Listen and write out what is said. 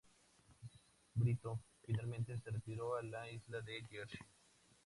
Brito finalmente se retiró a la isla de Jersey.